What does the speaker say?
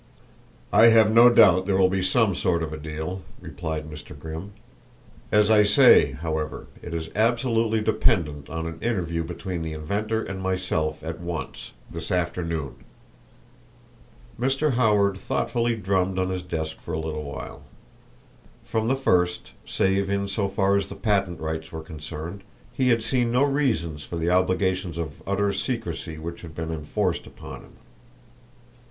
"I have no doubt there will be some sort of a deal," replied Mr. Grimm. "As I say, however, it is absolutely dependent on an interview between the inventor and myself at once this afternoon." Mr. Howard thoughtfully drummed on his desk for a little while. From the first, save in so far as the patent rights were concerned, he had seen no reasons for the obligations of utter secrecy which had been enforced upon him.